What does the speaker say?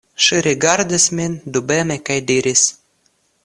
Ŝi rigardis min dubeme kaj diris: